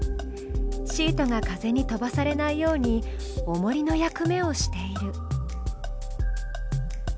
シートが風に飛ばされないようにおもりの役目をしている。